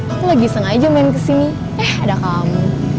aku lagi sengaja main kesini eh ada kamu